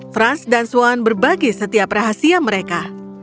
franz dan swan berbagi setiap rahasia mereka